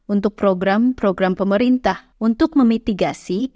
untuk program program pemerintah untuk memitigasi